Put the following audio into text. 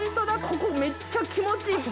ここめっちゃ気持ちいい。